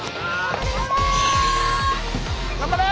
頑張れ！